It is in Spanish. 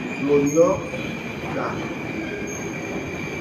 Murió "ca.